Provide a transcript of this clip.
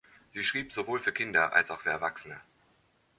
Sie schrieb sowohl für Kinder als auch für Erwachsene.